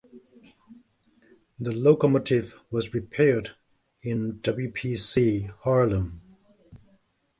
The locomotive was repaired in Wpc Haarlem.